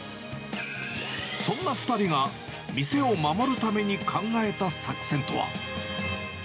そんな２人が店を守るために考えた作戦とは。